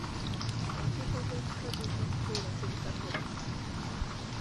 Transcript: Enkiiko z’ekika zirina kutuula ku butaka bwa mmwe.